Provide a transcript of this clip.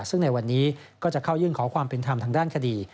ซึ่งในวันนี้ก็จะเข้ายื่นขอความเป็นธรรมทางด้านคดี